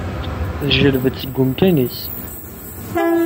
Teǧǧelleb-d seg umkan-is.